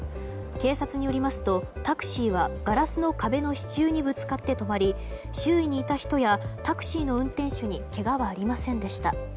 警察によりますとタクシーはガラスの壁の支柱にぶつかって止まり周囲にいた人やタクシーの運転手にけがはありませんでした。